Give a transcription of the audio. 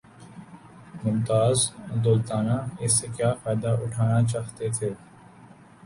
ممتاز دولتانہ اس سے کیا فائدہ اٹھانا چاہتے تھے؟